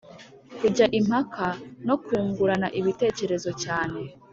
kujya impaka no kungurana ibitekerezo cyane